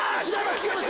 違います。